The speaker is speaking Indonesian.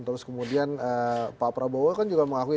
terus kemudian pak prabowo kan juga mengakui